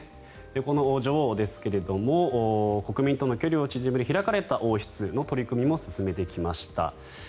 この女王ですけれど国民との距離を縮める開かれた王室の取り組みも進めてきました。